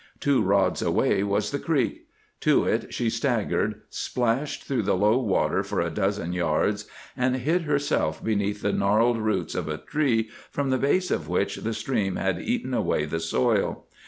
Two rods away was the creek. To it she staggered, splashed through the low water for a dozen yards, and hid herself beneath the gnarled roots of a tree from the base of which the stream had eaten away the soil.